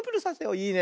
いいね。